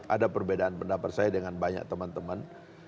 ada perbedaan pendapat saya dengan banyak teman teman